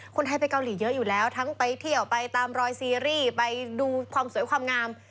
คนไทยไปเกาหลีเยอะอยู่แล้วทั้งไปเที่ยวไปตามรอยซีรีส์ไปดูความสวยความงาม